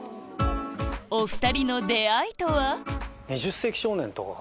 お２人の出会いとは？